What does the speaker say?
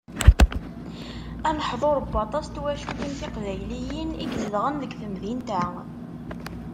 Aneḥḍur n waṭas n twaculin tiqbayliyin i izedɣen deg temdint-a.